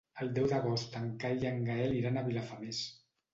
El deu d'agost en Cai i en Gaël iran a Vilafamés.